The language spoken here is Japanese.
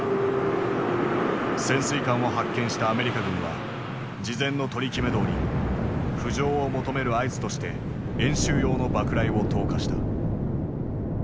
潜水艦を発見したアメリカ軍は事前の取り決めどおり浮上を求める合図として演習用の爆雷を投下した。